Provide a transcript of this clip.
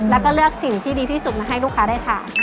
แล้วก็เลือกสิ่งที่ดีที่สุดมาให้ลูกค้าได้ทาน